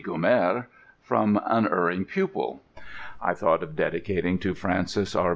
GUMMERE From an erring pupil I thought of dedicating to FRANCIS R.